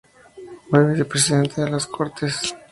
Fue Vicepresidente de las Cortes.